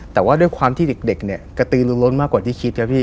แต่ว่าด้วยความที่เด็กกระตือรุนรถมากกว่าที่คิดครับพี่